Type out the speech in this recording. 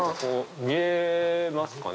見えますかね？